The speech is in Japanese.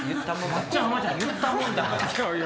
「松ちゃん浜ちゃん言ったもんだから」？